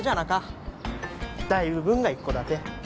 大部分が一戸建て。